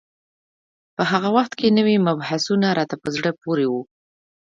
په هغه وخت کې نوي مبحثونه راته په زړه پورې وو.